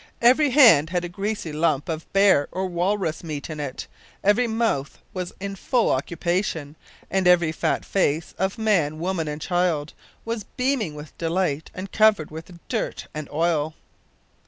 Every hand had a greasy lump of bear or walrus meat in it; every mouth was in full occupation, and every fat face, of man, woman, and child, was beaming with delight and covered with dirt and oil!